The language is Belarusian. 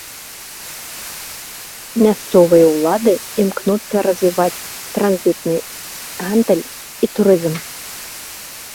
Мясцовыя ўлады імкнуцца развіваць транзітны гандаль і турызм.